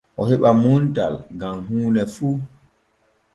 O heɓa muntal gam huune fu.